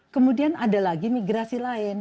kemudian ada lagi migrasi lain